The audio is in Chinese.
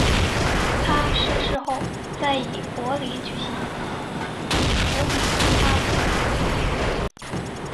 他逝世后在以国礼举行荼毗大典。